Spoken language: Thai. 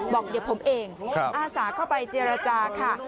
บอกเดี๋ยวผมเองอาสาเข้าไปเจรจาค่ะ